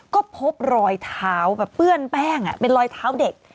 ก็พบรอยเท้าแบบเปื้อนแป้งเป็นรอยเท้าเด็ก